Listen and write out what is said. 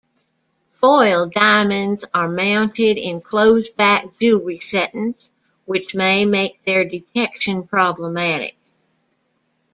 Foiled diamonds are mounted in closed-back jewelry settings, which may make their detection problematic.